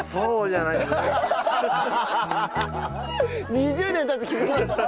２０年経って気づきました。